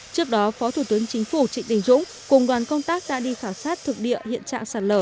trước đó phó thủ tướng chính phủ trịnh đình dũng cùng đoàn công tác đã đi khảo sát thực địa hiện trạng sạt lở